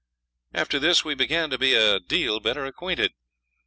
After this we began to be a deal better acquainted.